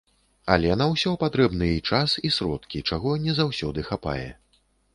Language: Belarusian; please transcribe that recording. Але на ўсё патрэбны і час, і сродкі, чаго не заўсёды хапае.